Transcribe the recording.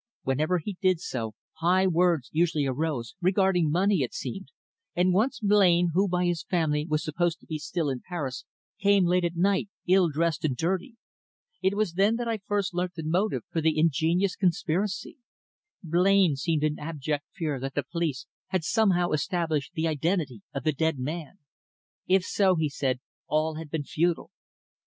Whenever he did so, high words usually arose, regarding money, it seemed, and once Blain, who by his family was supposed to be still in Paris, came late at night, ill dressed and dirty. It was then that I first learnt the motive for the ingenious conspiracy. Blain seemed in abject fear that the police had somehow established the identity of the dead man. If so, he said, all had been futile.